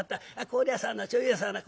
「こりゃさのちょいやさの」